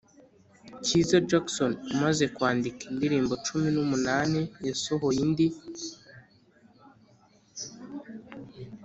cyiza Jackson umaze kwandika indirimbo cumi n’umunani yasohoye indi